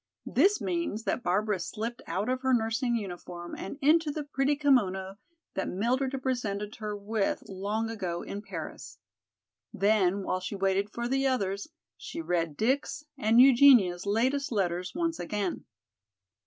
This means that Barbara slipped out of her nursing uniform and into the pretty kimono that Mildred had presented her with long ago in Paris. Then, while she waited for the others, she read Dick's and Eugenia's latest letters once again.